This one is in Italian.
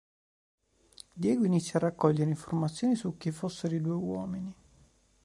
Diego inizia a raccogliere informazioni su chi fossero i due uomini.